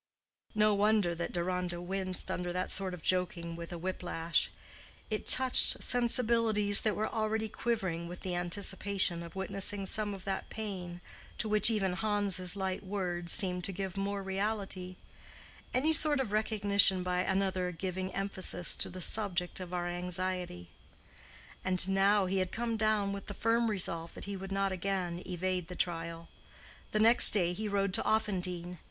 No wonder that Deronda winced under that sort of joking with a whip lash. It touched sensibilities that were already quivering with the anticipation of witnessing some of that pain to which even Hans's light words seemed to give more reality:—any sort of recognition by another giving emphasis to the subject of our anxiety. And now he had come down with the firm resolve that he would not again evade the trial. The next day he rode to Offendene.